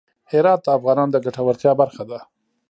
هرات د افغانانو د ګټورتیا برخه ده.